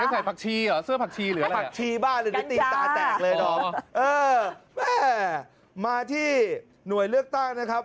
ใส่ผักชีหรืออะไรอย่างนี้ติดตาแตกเลยนะครับมาที่หน่วยเลือกตั้งนะครับ